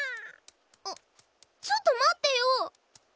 あっちょっと待ってよ！